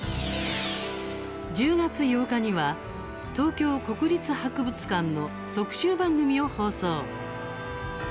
１０月８日には東京国立博物館の特集番組を放送。